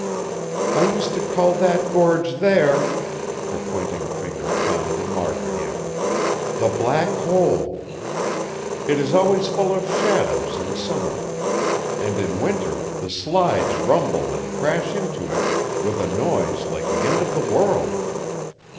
"I used to call that gorge there" her pointing finger found the mark again "The Black Hole. It is always full of shadows in summer, and in winter the slides rumble and crash into it with a noise like the end of the world.